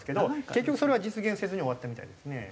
結局それは実現せずに終わったみたいですね。